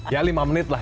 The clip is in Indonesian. ya lima menit lah